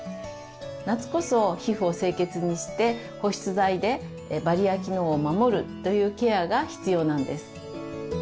夏こそ皮膚を清潔にして保湿剤でバリア機能を守るというケアが必要なんです。